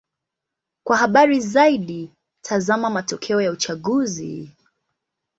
Kwa habari zaidi: tazama matokeo ya uchaguzi.